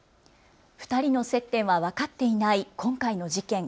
２人の接点は分かっていない今回の事件。